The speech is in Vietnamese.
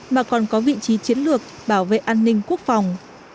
mà còn có vị trí chiến lược bảo vệ an ninh quốc phòng